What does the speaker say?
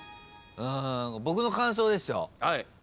僕の感想ですよ。